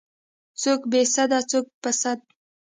څوک بې سده څوک په سد.